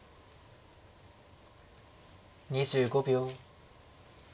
２５秒。